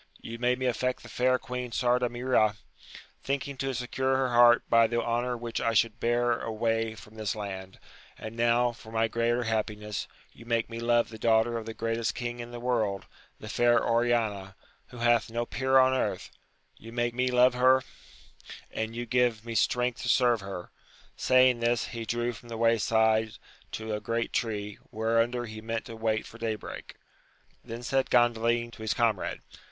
You made me aflfect the fair Queen Sardamira, thinking to secure her heart by the honour which I should bear away from this land ; and now, for my greater happiness, you make me love the daughter of the greatest king in the world, the fair Oriana, who hath no peer on earth : you make me love her, and you give me strength to serve her. Saying this, he drew from the way side to a great tree, whereunder he meant to wait for day break Then said Gandalin to his comrade.